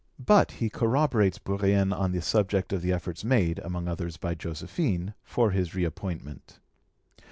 But he corroborates Bourrienne on the subject of the efforts made, among others by Josephine, for his reappointment.